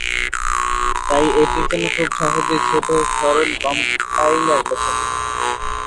তাই এটির জন্য খুব সহজেই ছোট ও সরল কম্পাইলার লেখা যেত।